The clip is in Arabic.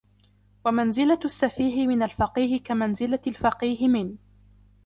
وَمَنْزِلَةُ السَّفِيهِ مِنْ الْفَقِيهِ كَمَنْزِلَةِ الْفَقِيهِ مِنْ